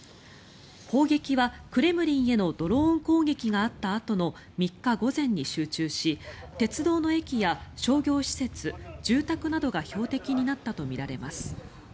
砲撃は、クレムリンへのドローン攻撃があったあとの３日午前に集中し鉄道の駅や商業施設、住宅などが標的になったとみられます。